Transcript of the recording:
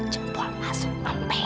cukup asuh mbak